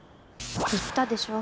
言ったでしょ？